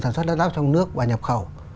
sản xuất đáp trong nước và nhập khẩu